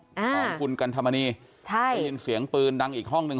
ตอนคุณกันธรรมนีได้ยินเสียงปืนดังอีกห้องนึง